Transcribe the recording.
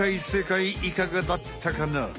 世界いかがだったかな？